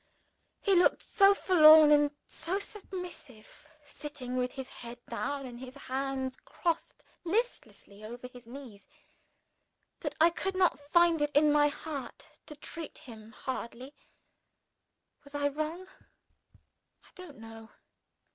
he looked so forlorn and so submissive sitting with his head down, and his hands crossed listlessly over his knees that I could not find it in my heart to treat him harshly. Was I wrong? I don't know!